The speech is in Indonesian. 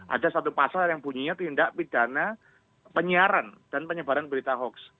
ada satu pasal yang bunyinya tindak pidana penyiaran dan penyebaran berita hoax